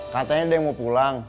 katanya ada yang mau pulang